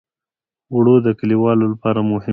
اوړه د کليوالو لپاره مهم دي